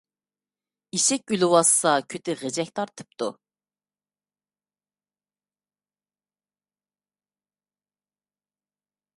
ئېشەك ئۆلۈۋاتسا كۆتى غىجەك تارتىپتۇ.